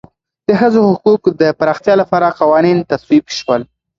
د ښځو حقوقو د پراختیا لپاره قوانین تصویب شول.